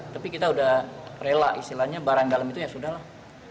tapi kita udah rela istilahnya barang dalam itu ya sudah lah